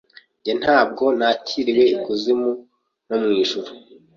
Njye ntabwo nakiriwe ikuzimu no mwijuru